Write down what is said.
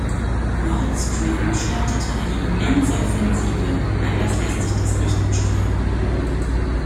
Nord Stream startete eine immense Offensive anders lässt sich das nicht beschreiben.